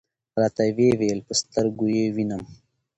راته وې ویل: په سترګو یې وینم .